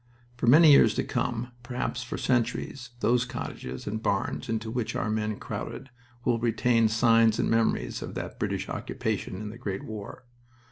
For many years to come, perhaps for centuries, those cottages and barns into which our men crowded will retain signs and memories of that British occupation in the great war.